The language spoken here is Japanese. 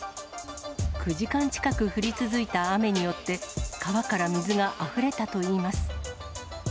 ９時間近く降り続いた雨によって、川から水があふれたといいます。